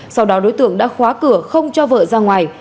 sau đó đối tượng đã khóa cửa không cho vợ ra ngoài